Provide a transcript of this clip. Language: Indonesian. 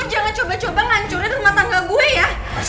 jangan coba coba ngancurin rumah tangga gue ya